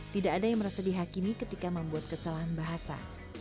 tidak ada yang merasa dihakimi ketika membuat kesalahan bahasa